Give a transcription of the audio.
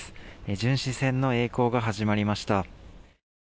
巡視船のえい航が始まりました。